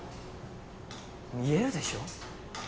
見えるでしょ？